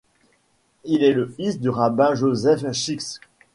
Il est le fils du rabbin Joseph Schick.